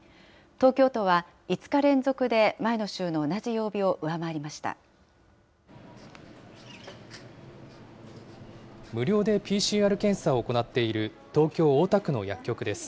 東京都は５日連続で前の週の同じ無料でＰＣＲ検査を行っている東京・大田区の薬局です。